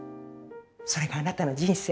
それがあなたの人生。